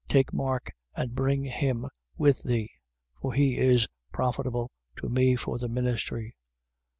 Take Mark and bring him with thee: for he is profitable to me for the ministry.